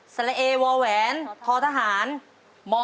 เมซาวัตถานขอมอน